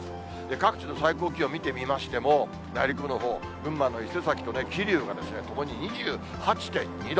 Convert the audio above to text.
各地の最高気温見てみましても、内陸部のほう、群馬の伊勢崎と桐生がね、ともに２８．２度。